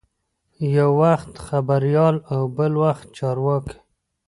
یو وخت خبریال او بل وخت چارواکی.